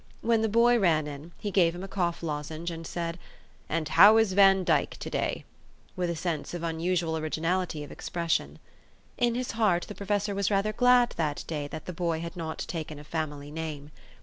When the boy ran in, he gave him a cough lozenge, and said, " And how is Van Dyck, to day ?" with a sense of unusual originality of expression. In his heart the professor was rather glad that day, that the boy had not taken a family name.